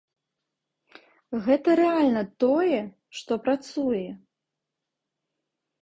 Гэта рэальна тое, што працуе.